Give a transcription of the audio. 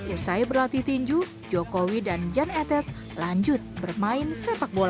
usai berlatih tinju jokowi dan jan etes lanjut bermain sepak bola